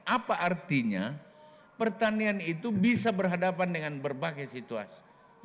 apa artinya pertanian itu bisa berhadapan dengan berbagai situasi